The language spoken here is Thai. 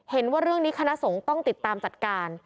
เห็นว่าเรื่องนี้คณะสงฆ์ต้องติดตามจัดการ